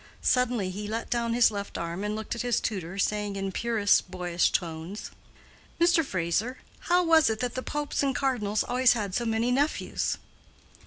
Suddenly he let down his left arm and looked at his tutor, saying in purest boyish tones, "Mr. Fraser, how was it that the popes and cardinals always had so many nephews?"